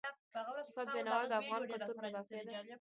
استاد بینوا د افغان کلتور مدافع و.